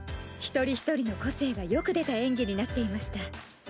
一人一人の個性がよく出た演技になっていました。